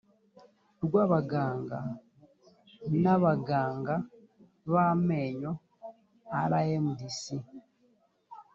rw abaganga n abaganga b amenyo rmdc